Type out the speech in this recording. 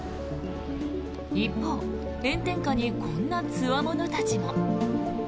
一方、炎天下にこんなつわものたちも。